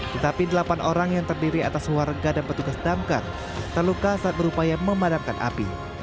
tetapi delapan orang yang terdiri atas warga dan petugas damkar terluka saat berupaya memadamkan api